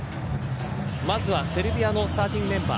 まずはセルビアのスターティングメンバー。